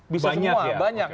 bisa semua banyak ya banyak